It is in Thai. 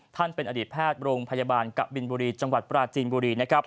ท่านเป็นอดีตแพทย์โรงพยาบาลกะบินบุรีจังหวัดปราจีนบุรีนะครับ